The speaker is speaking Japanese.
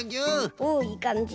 おおいいかんじ。